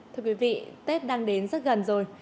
thưa quý vị tết đang đến rất gần rồi